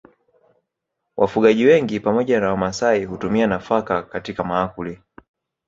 Wafugaji wengi pamoja na Wamasai hutumia nafaka katika maakuli